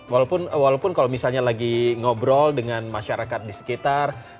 walaupun kalau misalnya lagi ngobrol dengan masyarakat di sekitar